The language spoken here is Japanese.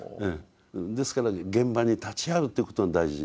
ですから現場に立ち会うっていうことが大事。